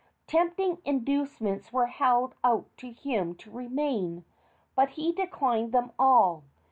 Tempting inducements were held out to him to remain, but he declined them all.